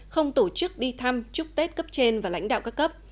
không tổ chức đi thăm chúc tết cấp trên và lãnh đạo các cấp